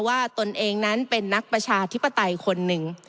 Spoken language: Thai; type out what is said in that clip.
ตนเองนั้นเป็นนักประชาธิปไตยคนหนึ่ง